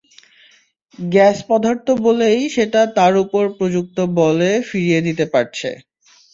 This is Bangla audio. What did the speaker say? গ্যাস পদার্থ বলেই সেটা তার ওপর প্রযুক্ত বলে ফিরিয়ে দিতে পারছে।